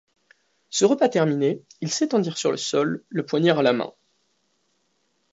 Ce repas terminé, ils s’étendirent sur le sol, le poignard à la main.